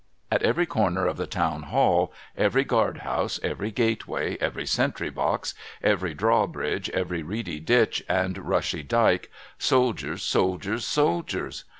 At every corner of the town hall, every guard house, every gateway, every sentry box, every drawbridge, every reedy ditch, and rushy dike, soldiers, soldiers, soldiers.